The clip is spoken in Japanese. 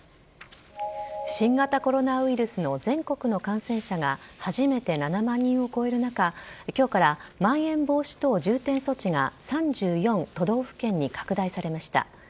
新型コロナウイルスの全国の感染者が初めて７万人を超える中今日からまん延防止等重点措置が３４都道府県に拡大されました。